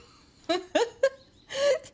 フフフ。